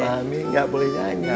mami gak boleh nyanyi